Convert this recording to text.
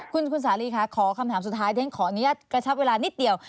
คุณสาลีค่ะขอคำถามสุดท้ายเรียนขออนุญาตกระชับเวลานิดเดียว